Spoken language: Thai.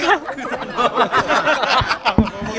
ยังไงค่ะ